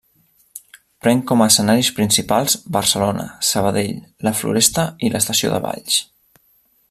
Pren com a escenaris principals Barcelona, Sabadell, la Floresta i l'estació de Valls.